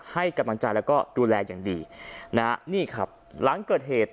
ให้กำลังใจแล้วก็ดูแลอย่างดีนะฮะนี่ครับหลังเกิดเหตุ